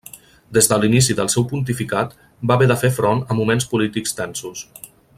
Des de l'inici del seu pontificat va haver de fer front a moments polítics tensos.